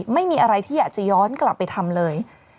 ไม่มีอะไรที่อยากจะย้อนกลับไปทำเลย